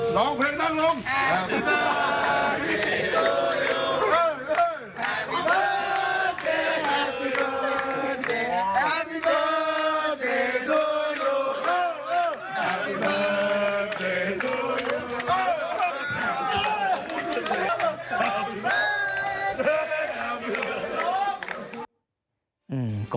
ขอให้แอฟร้องเพลงนั่งลง